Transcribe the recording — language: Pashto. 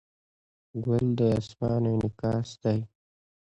ګل د اسمان انعکاس دی.